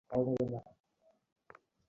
উত্থান পর্যন্ত তাদের ব্যস্ত রাখবে এটা।